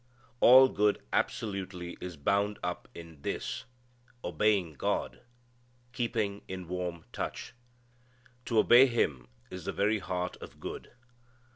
All good absolutely is bound up in this obeying God, keeping in warm touch. To obey Him is the very heart of good.